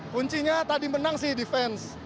kuncinya tadi menang sih defense